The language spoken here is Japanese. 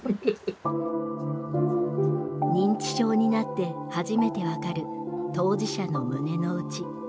認知症になって初めて分かる当事者の胸の内。